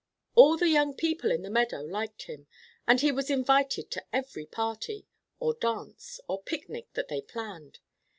All the young people in the meadow liked him, and he was invited to every party, or dance, or picnic that they planned.